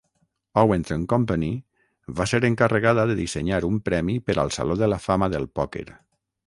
Owens and Company va ser encarregada de dissenyar un premi per al Saló de la Fama del Pòquer.